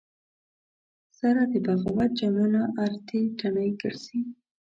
سره د بغاوت جانانه ارتې تڼۍ ګرځې